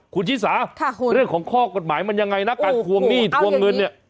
คุณชิสาเรื่องของข้อกฎหมายมันยังไงนะการทวงหนี้ทวงเงินเนี่ย